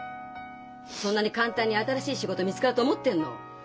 そんなに簡単に新しい仕事見つかると思ってるの？